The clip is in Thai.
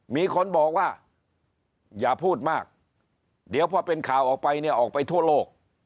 มีคนบอกว่าอย่าพูดมากเดี๋ยวพอเป็นข่าวออกไปเนี่ยออกไปทั่วโลก